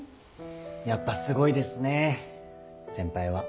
やっぱすごいですね先輩は。